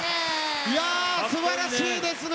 いやすばらしいですね